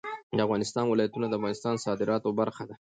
د افغانستان ولايتونه د افغانستان د صادراتو برخه ده.